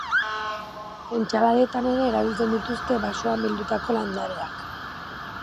Entsaladetan ere erabiltzen dituzte basoan bildutako landareak.